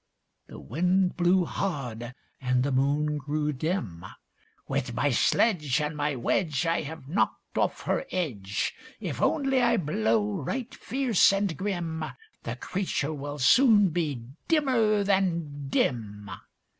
The Wind blew hard, and the Moon grew dim. "With my sledge And my wedge I have knocked off her edge! If only I blow right fierce and grim, The creature will soon be dimmer than dim."